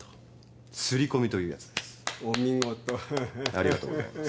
ありがとうございます。